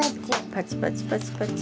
パチパチパチパチ。